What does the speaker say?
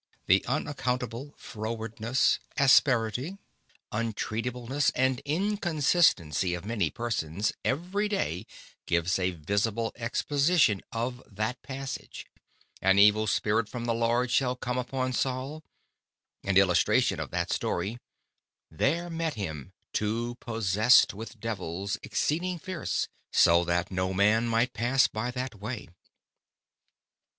The unaccountable Frowardness, Asperity, Untreatableness, and Inconsistency of many Persons, every Day gives a visible Exposition of that passage, An evil spirit from the Lord came upon Saul; and Illustration of that Story, _There met him two possessed with Devils, exceeding fierce, so that no man might pass by that way.